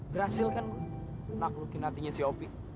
berhasil kan naklukin hatinya si opi